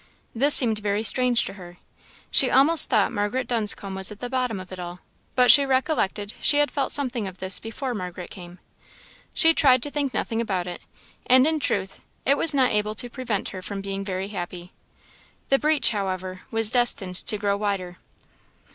This seemed very strange to her; she almost thought Margaret Dunscombe was at the bottom of it all, but she recollected she had felt something of this before Margaret came. She tried to think nothing about it; and in truth it was not able to prevent her from being very happy. The breach, however, was destined to grow wider.